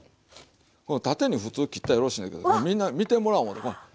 縦にふつう切ったらよろしいねんけどみんな見てもらおう思うて。